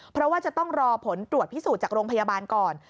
เพราะว่าจะต้องรอผลตรวจพิสูจน์จากโรงพยาบาลก่อน